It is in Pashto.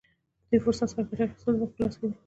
د دې فرصت څخه ګټه اخیستل زموږ په لاس کې دي.